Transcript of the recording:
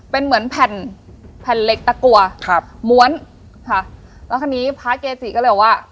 เป็นเหมือนแผ่นแผ่นเหล็กตะกัวครับม้วนค่ะแล้วคราวนี้พระเกจิก็เลยบอกว่า